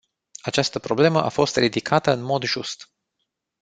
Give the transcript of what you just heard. Această problemă a fost ridicată în mod just.